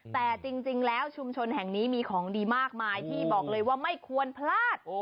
แต่จริงแล้วชุมชนแห่งนี้มีของดีมากมายที่บอกเลยว่าไม่ควรพลาด